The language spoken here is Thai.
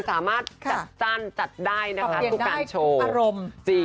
สามารถจัดจันจัดได้นะคะทุกการโชว์